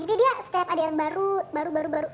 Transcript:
jadi dia setiap ada yang baru baru baru baru